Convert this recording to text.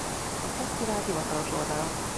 A fesztivál hivatalos oldala